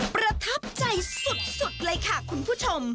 ประทับใจสุดเลยค่ะคุณผู้ชม